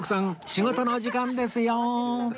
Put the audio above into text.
仕事の時間ですよ